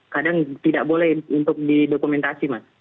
kadang tidak boleh untuk didokumentasi mas